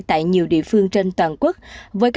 tại nhiều địa phương trên toàn quốc